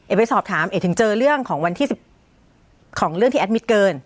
ไปสอบถามเอกถึงเจอเรื่องของวันที่๑ของเรื่องที่แอดมิตเกิน